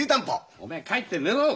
おめえ帰って寝ろ！